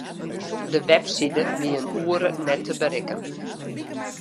De webside wie in oere net te berikken.